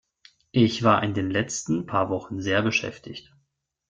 Ich war in den letzten paar Wochen sehr beschäftigt.